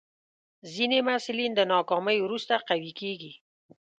ځینې محصلین د ناکامۍ وروسته قوي کېږي.